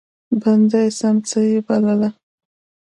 بنده سمڅه يې بلله.